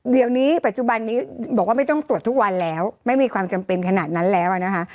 เดี๋ยวนี้ปัจจุบันนี้บอกว่าไม่ต้องตรวจทุกวันแล้วไม่มีความจำเป็นขนาดนั้นแล้วนะคะ